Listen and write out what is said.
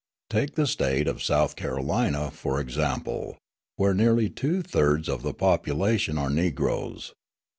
Take the State of South Carolina, for example, where nearly two thirds of the population are Negroes.